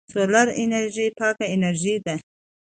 سولر انرژي پاکه انرژي ده.